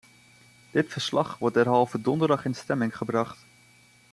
Dit verslag wordt derhalve donderdag in stemming gebracht.